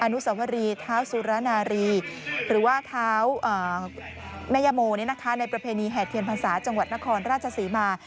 นุสวรีเท้าสุรนารีหรือว่าเท้าแม่ยโมในประเพณีแห่เทียนพรรษาจังหวัดนครราชศรีมา